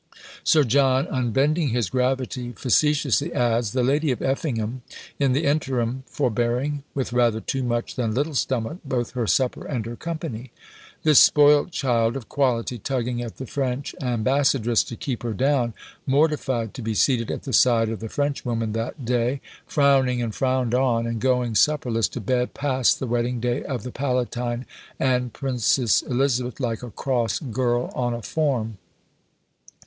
Sir John, unbending his gravity, facetiously adds, "The Lady of Effingham, in the interim, forbearing (with rather too much than little stomach) both her supper and her company." This spoilt child of quality, tugging at the French ambassadress to keep her down, mortified to be seated at the side of the Frenchwoman that day, frowning and frowned on, and going supperless to bed, passed the wedding day of the Palatine and Princess Elizabeth like a cross girl on a form.